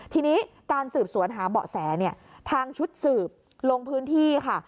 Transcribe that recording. ทีนี้การสืบสวนหาเบาะแสเนี่ยทางชุดสืบลงพื้นที่ค่ะ